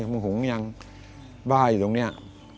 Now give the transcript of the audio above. มึงหุงยังบ้าอยู่ตรงเนี่ย